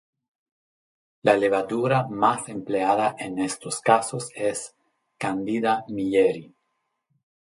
La levadura más empleada en estos casos es "Candida milleri".